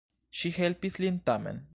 Ŝi helpis lin, tamen.